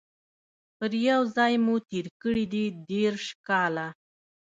پر یوه ځای مو تیر کړي دي دیرش کاله